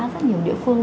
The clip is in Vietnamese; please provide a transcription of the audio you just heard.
rất nhiều địa phương